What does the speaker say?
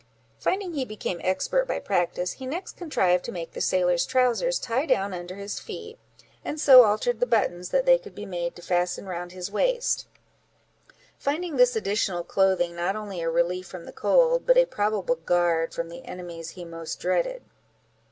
Finding he became expert by practice, he next contrived to make the sailor's trowsers tie down under his feet, and so altered the buttons, that they could be made to fasten round his waist; finding this additional clothing not only a relief from the cold, but a probable guard from the enemies he most dreaded.